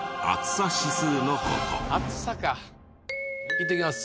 いってきます。